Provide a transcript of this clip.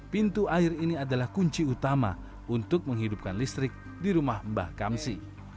pintu air ini adalah kunci utama untuk menghidupkan listrik di rumah mbah kamsi